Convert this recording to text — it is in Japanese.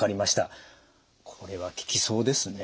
これは効きそうですね。